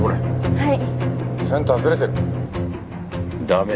はい。